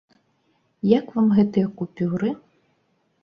Як вам гэтыя купюры?